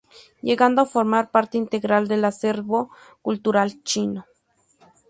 Llegando a formar parte integral del acervo cultural chino.